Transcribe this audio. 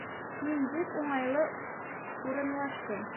Мин бик уңайлы урынлаштым